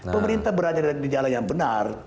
pemerintah berada di jalan yang benar